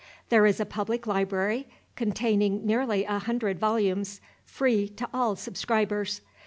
There is a public library, containing nearly a hundred volumes, free to all subscribers.